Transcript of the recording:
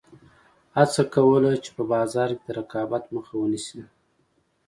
هڅه کوله چې په بازار کې د رقابت مخه ونیسي.